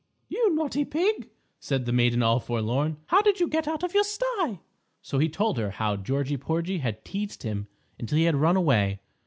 _" "You naughty pig," said the Maiden All Forlorn, "how did you get out of your sty?" So he told her how Georgy Porgy had teased him until he had run away.